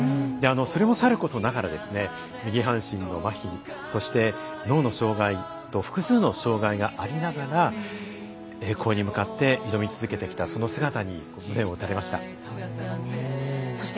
それも、さることながら右半身のまひそして、脳の障がいと複数の障がいがありながら栄光に向かって挑み続けてきたその姿に胸を打たれました。